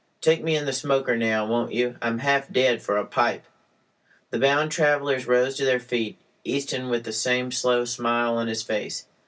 Take me in the smoker now, won't you? I'm half dead for a pipe." The bound travelers rose to their feet, Easton with the same slow smile on his face.